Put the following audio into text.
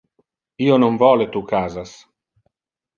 Io non vole tu casas.